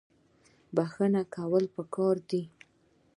بخښنه کول پکار دي